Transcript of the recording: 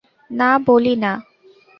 না, বলি না।